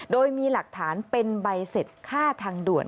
โดยมีหลักฐานเป็นใบเสร็จค่าทางด่วน